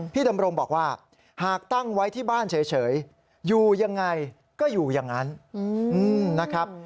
ดำรงบอกว่าหากตั้งไว้ที่บ้านเฉยอยู่ยังไงก็อยู่อย่างนั้นนะครับ